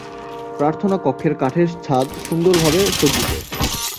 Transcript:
প্রার্থনা কক্ষের কাঠের ছাদ সুন্দরভাবে সজ্জিত।